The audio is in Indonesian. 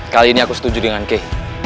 kali ini aku setuju dengan kek